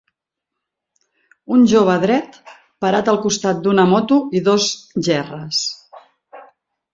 Un jove dret, parat al costat d'una moto i dos gerres.